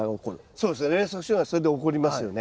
そうですね連作障害それでおこりますよね。